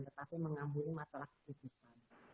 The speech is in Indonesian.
tetapi mengampuni masalah kebijakan